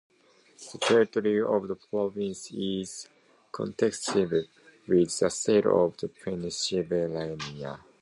The territory of the province is coextensive with the state of Pennsylvania.